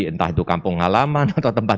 entah itu kampung halaman atau tempat